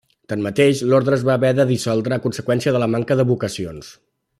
Tanmateix, l'ordre es va haver de dissoldre a conseqüència de la manca de vocacions.